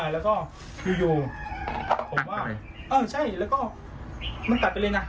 แล้วก็อยู่ผมก็เออใช่แล้วก็มันกลับไปเลยนะ